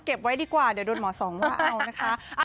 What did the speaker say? ไว้ดีกว่าเดี๋ยวโดนหมอสองว่าเอานะคะ